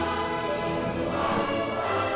อาเมนอาเมน